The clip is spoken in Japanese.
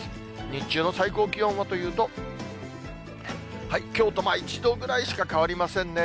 日中の最高気温はというと、きょうと１度ぐらいしか変わりませんね。